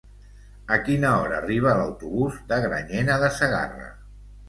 A quina hora arriba l'autobús de Granyena de Segarra?